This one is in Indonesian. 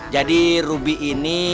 jadi ruby ini